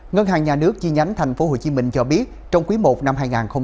ngân hàng nhà nước chi nhánh tp hcm cho biết trong quý i năm hai nghìn hai mươi